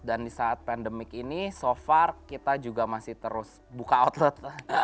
di saat pandemik ini so far kita juga masih terus buka outlet